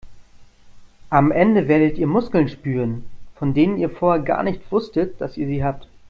Am Ende werdet ihr Muskeln spüren, von denen ihr vorher gar nicht wusstet, dass ihr sie habt.